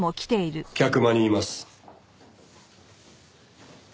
客間にいます。